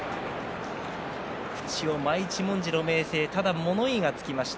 口を真一文字の明生ですが物言いがつきました。